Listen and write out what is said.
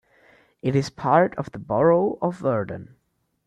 It is part of the borough of Verdun.